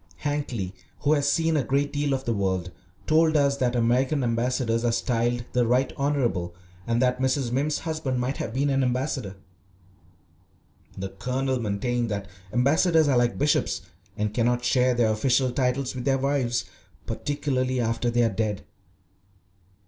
Hankly, who has seen a great deal of the world, told us that American ambassadors are styled the Right Honourable, and that Mrs. Mimms's husband might have been an ambassador. The Colonel maintained that ambassadors are like bishops and cannot share their official titles with their wives, particularly after they are dead.